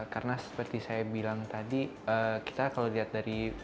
karena seperti saya bilang tadi kita kalau lihat dari